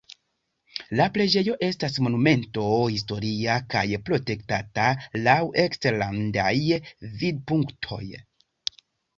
La preĝejo estas Monumento historia kaj protektata laŭ eksterlandaj vidpunktoj.